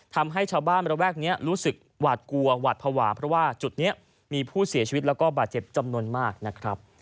ทำให้ชาวบ้านระแวกนี้รู้สึกหวาดกลัวหวาดภาวะเพราะว่าจุดนี้มีผู้เสียชีวิตแล้วก็บาดเจ็บจำนวนมากนะครับ